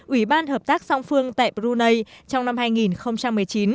ủy ban hợp tác song phương tại brunei trong năm hai nghìn một mươi chín